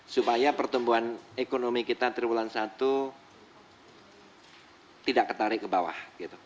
supaya pertumbuhan ekonomi kita tiga bulan satu tidak ketarik ke bawah